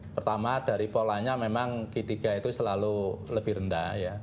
pertama dari polanya memang g tiga itu selalu lebih rendah ya